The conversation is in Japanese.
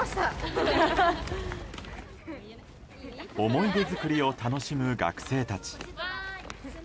思い出作りを楽しむ学生たち。